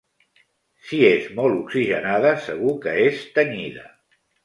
Si és molt oxigenada segur que és tenyida.